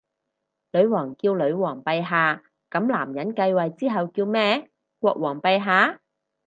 女王叫女皇陛下，噉男人繼位之後叫咩？國王陛下？